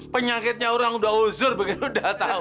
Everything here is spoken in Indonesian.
penyakitnya orang udah uzur begini udah tau